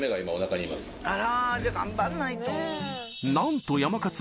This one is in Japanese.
あらじゃあ頑張んないと。